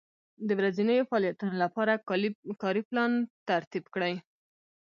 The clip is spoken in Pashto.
د ورځنیو فعالیتونو لپاره کاري پلان ترتیب کړئ.